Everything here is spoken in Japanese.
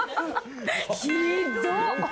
ひどっ。